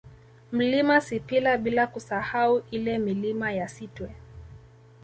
Mlima Sipila bila kusahau ile Milima ya Sitwe